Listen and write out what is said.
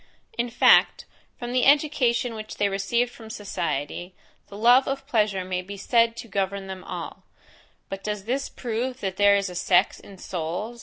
In fact, from the education which they receive from society, the love of pleasure may be said to govern them all; but does this prove that there is a sex in souls?